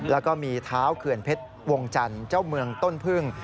แล้วก็มีเท้าเขื่อนเพชรวงจันทร์เจ้าเมืองต้นพึ่ง